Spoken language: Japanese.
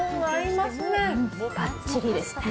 ばっちりですね。